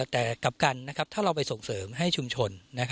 แต่กลับกันถ้าเราไปส่งเสริมให้ชุมชน